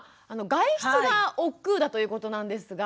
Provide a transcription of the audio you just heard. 外出がおっくうだということなんですが。